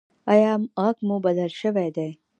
ایا غږ مو بدل شوی دی؟